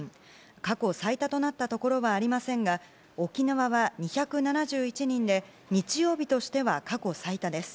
過去最多となったところはありませんが沖縄は２７１人で日曜日としては過去最多です。